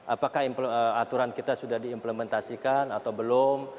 apakah aturan kita sudah diimplementasikan atau belum